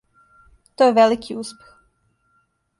То је велики успех.